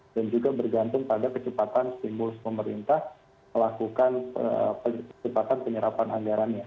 dan juga bergantung pada kecepatan stimulus pemerintah melakukan penyerapan anggarannya